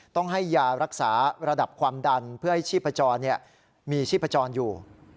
ต้องให้ยารักษาระดับความดันเพื่อให้ชีพจรมีชีพจรอยู่